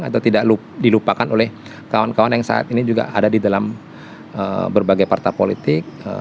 atau tidak dilupakan oleh kawan kawan yang saat ini juga ada di dalam berbagai partai politik